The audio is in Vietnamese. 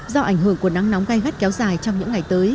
do ảnh hưởng của nắng nóng gai gắt kéo dài trong những ngày tới